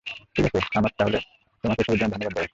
ঠিক আছে, আমার তাহলে তোমাকে এসবের জন্য ধন্যবাদ দেয়া উচিত।